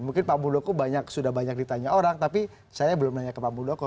mungkin pak muldoko sudah banyak ditanya orang tapi saya belum nanya ke pak muldoko